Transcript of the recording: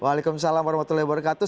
waalaikumsalam warahmatullahi wabarakatuh